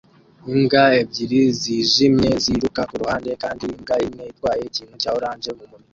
Imbwa ebyiri zijimye ziruka kuruhande kandi imbwa imwe itwaye ikintu cya orange mumunwa